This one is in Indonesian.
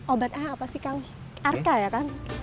obat ah apa sih kang arka ya kang